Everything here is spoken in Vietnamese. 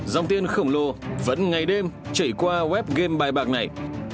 dòng tiền khổng lồ vẫn ngày đêm chảy qua web game bài bạc này